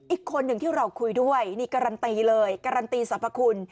อีกคนหนึ่งที่เราคุยด้วยนี่การันตีเลยการันตีสรรพคุณ